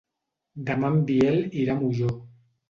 Demà en Biel irà a Molló.